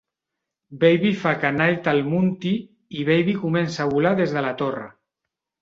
Baby fa que Knight el munti i Baby comença a volar des de la Torre.